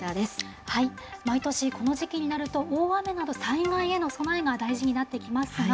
毎年、この時期になると大雨など、災害への備えが大事になってきますが。